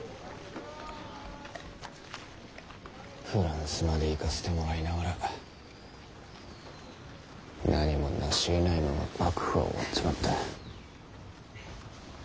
フランスまで行かせてもらいながら何もなしえないまま幕府は終わっちまった。